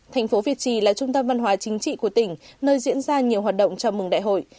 thành phố việt trì là trung tâm văn hóa chính trị của tỉnh nơi diễn ra nhiều hoạt động chào mừng đại hội